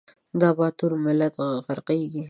دا باتور ملت غرقیږي